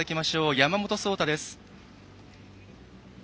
山本草太です。